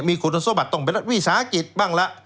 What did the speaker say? มีคุณสมบัติต้องเป็นรัฐวิสาหกิจบ้างละ